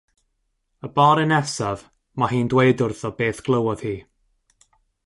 Y bore nesaf, mae hi'n dweud wrtho beth glywodd hi.